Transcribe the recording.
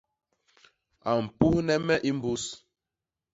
A mpuhne me i mbus.